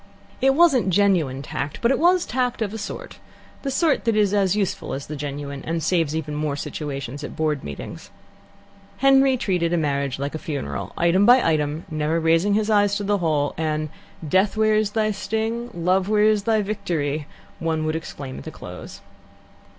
It wasn't genuine tact, but it was tact, of a sort the sort that is as useful as the genuine, and saves even more situations at Board meetings. Henry treated a marriage like a funeral, item by item, never raising his eyes to the whole, and "Death, where is thy sting? Love, where is thy victory?" one would exclaim at the close.